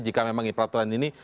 jika memang peraturan ini